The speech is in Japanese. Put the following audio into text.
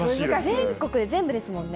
全国で、全部ですもんね。